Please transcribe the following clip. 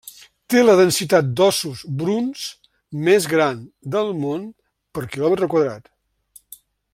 Té la densitat d'óssos bruns més gran del món per quilòmetre quadrat.